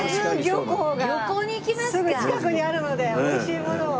すぐ近くにあるので美味しいものを。